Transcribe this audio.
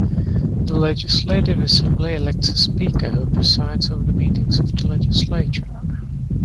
The Legislative Assembly elects a speaker who presides over the meetings of the legislature.